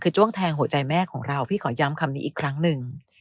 คือจ้วงแทงหัวใจแม่ของเราพี่ขอย้ำคำนี้อีกครั้งหนึ่ง